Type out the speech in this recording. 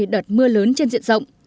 ba mươi đợt mưa lớn trên diện rộng